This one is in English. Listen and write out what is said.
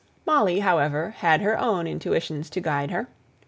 Molly, however, had her own intuitions to guide her.